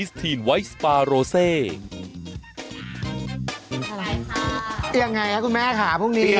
สักครู่เดี๋ยวครับ